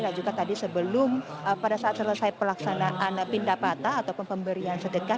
dan juga tadi sebelum pada saat selesai perlaksanaan pindah patah ataupun pemberian sedekat